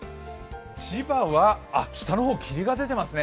千葉は下の方が霧出てますね。